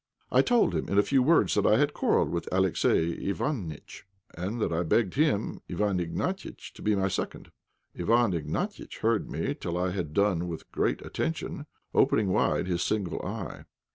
I told him in a few words that I had quarrelled with Alexey Iványtch, and that I begged him, Iwán Ignatiitch, to be my second. Iwán Ignatiitch heard me till I had done with great attention, opening wide his single eye.